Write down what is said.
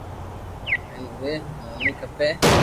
ھين اووي مونوي کپي